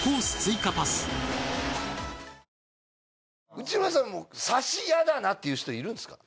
内村さんもサシ嫌だなっていう人いるんすか？